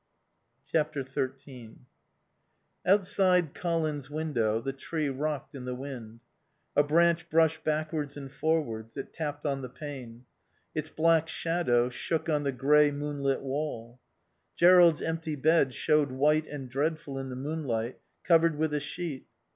xiii Outside Colin's window the tree rocked in the wind. A branch brushed backwards and forwards, it tapped on the pane. Its black shadow shook on the grey, moonlit wall. Jerrold's empty bed showed white and dreadful in the moonlight, covered with a sheet.